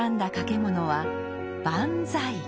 物は「万歳」。